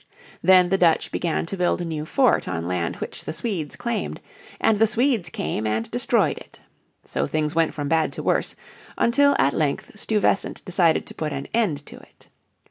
Then the Dutch began to build a new fort on land which the Swedes claimed, and the Swedes came and destroyed it. So things went from bad to worse, until at length Stuyvesant decided to put an end to it.